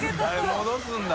△戻すんだ！